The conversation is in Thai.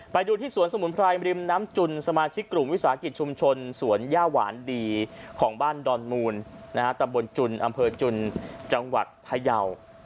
ไปดูที่สวนสมุนไพรริมน้ำจุนสมาชิกกลุ่มวิสาหกิจชุมชนสวนย่าหวานดีของบ้านดอนมูลตำบลจุนอำเภอจุนจังหวัดพยาว